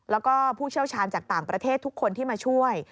แล้วก็ผู้เชี่ยวชาญจากต่างประเทศทุกคนที่มาช่วย